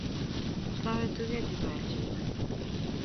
Kawe tuget ipaal chego